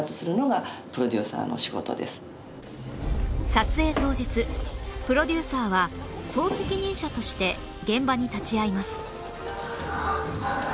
撮影当日プロデューサーは総責任者として現場に立ち会います